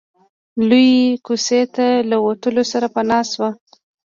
لويې کوڅې ته له وتلو سره پناه شو.